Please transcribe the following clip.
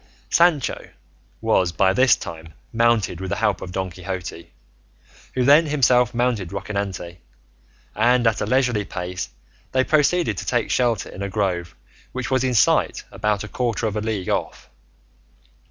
Sancho was by this time mounted with the help of Don Quixote, who then himself mounted Rocinante, and at a leisurely pace they proceeded to take shelter in a grove which was in sight about a quarter of a league off.